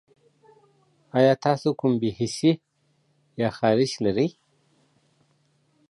ایا تاسو کوم بې حسي یا خارښت لرئ؟